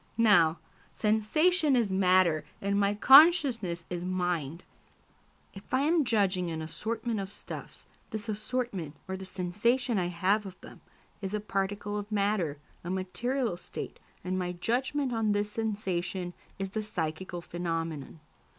Now, sensation is matter and my consciousness is mind. If I am judging an assortment of stuffs, this assortment, or the sensation I have of them, is a particle of matter, a material state, and my judgment on this sensation is the psychical phenomenon.